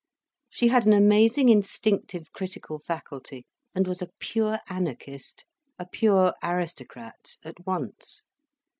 She had an amazing instinctive critical faculty, and was a pure anarchist, a pure aristocrat at once.